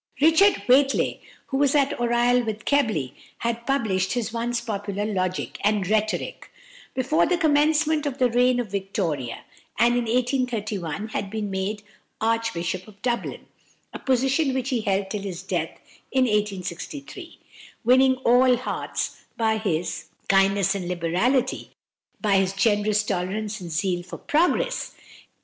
=Richard Whately (1787 1863)=, who was at Oriel with Keble, had published his once popular "Logic" and "Rhetoric" before the commencement of the reign of Victoria, and in 1831 had been made Archbishop of Dublin, a position which he held till his death, in 1863, winning all hearts by his kindness and liberality, by his generous tolerance and zeal for progress.